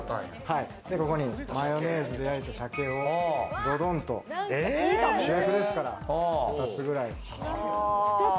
で、ここにマヨネーズで和えた鮭をどんと、主役ですから２つくらい。